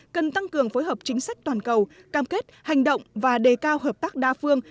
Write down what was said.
cần tăng cường phối hợp chính sách toàn cầu cam kết hành động và đề cao hợp tác đa phương